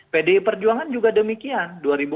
pdi perjuangan juga demikian